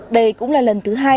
đây cũng là lần thứ hai